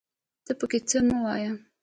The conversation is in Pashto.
ته پکې څه مه وايه